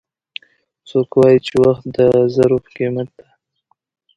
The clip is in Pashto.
څوک وایي چې وخت د زرو په قیمت ده